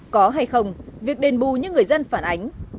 có hay không việc đền bù như người dân phản ánh